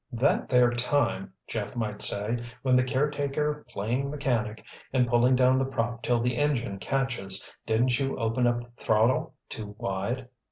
"That there time," Jeff might say, "when the caretaker 'playing mechanic' and pulling down the prop till the engine catches, didn't you open up the throttle too wide?